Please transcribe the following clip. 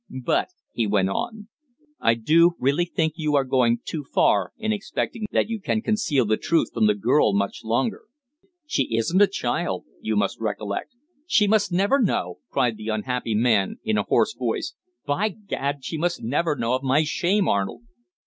"But," he went on, "I do really think you are going too far in expecting that you can conceal the truth from the girl much longer. She isn't a child, you must recollect." "She must never know!" cried the unhappy man in a hoarse voice. "By Gad! she must never know of my shame, Arnold."